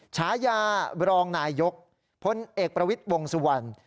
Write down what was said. ฉายารองนายยกพลเอกประวิทย์วงสุวรรณ